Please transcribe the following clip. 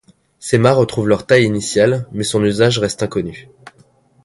Ses mâts retrouvent leur taille initiale, mais son usage reste inconnu.